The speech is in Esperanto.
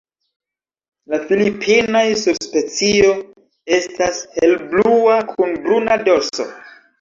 La filipinaj subspecio estas helblua kun bruna dorso.